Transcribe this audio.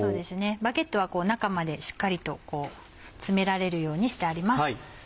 バゲットはこう中までしっかりと詰められるようにしてあります。